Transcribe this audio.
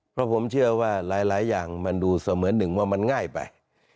เพราะผมเชื่อว่าหลายอย่างมันดูเสมือนหนึ่งว่ามันง่ายไป